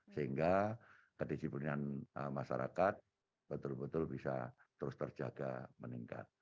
sehingga kedisiplinan masyarakat betul betul bisa terus terjaga meningkat